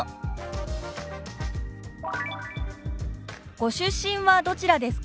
「ご出身はどちらですか？」。